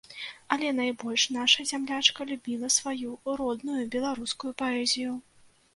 Але найбольш наша зямлячка любіла сваю родную беларускую паэзію.